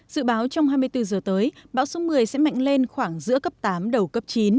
dự báo trong hai mươi bốn giờ tới bão số một mươi sẽ mạnh lên khoảng giữa cấp tám đầu cấp chín